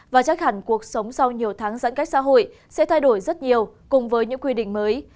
và chắc hẳn cuộc sống sau nhiều tháng giãn cách xã hội sẽ thay đổi rất nhiều cùng với những quy định mới